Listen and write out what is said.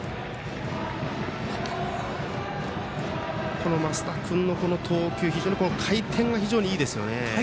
この升田君の投球非常に回転がいいですよね。